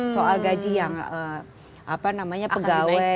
soal gaji yang apa namanya pegawai